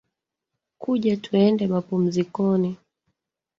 Kuja tuende mapumzikoni